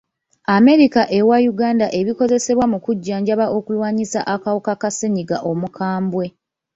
America ewa Uganda ebikozesebwa mu kujjanjaba okulwanyisa akawuka ka ssenyiga omukambwe.